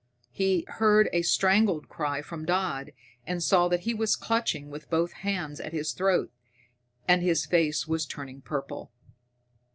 He heard a strangled cry from Dodd, and saw that he was clutching with both hands at his throat, and his face was turning purple.